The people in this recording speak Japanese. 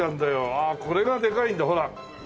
ああこれがでかいんだほら。